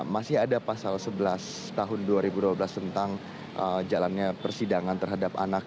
masih ada pasal sebelas tahun dua ribu dua belas tentang jalannya persidangan terhadap anak